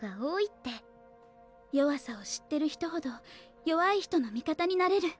弱さを知ってる人ほど弱い人の味方になれる。